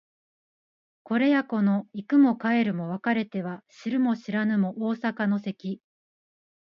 これやこの行くも帰るも別れては知るも知らぬも逢坂の関